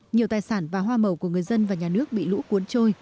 nhiều tài sản và hoa màu của người dân và nhà nước bị lũ cuốn trôi